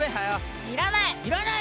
いらない！